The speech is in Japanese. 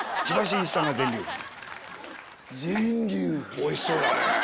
おいしそうだね！